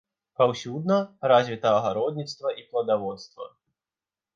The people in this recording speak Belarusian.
Паўсюдна развіта агародніцтва і пладаводства.